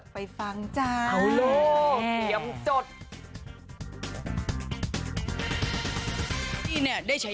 ไปฟังจ้า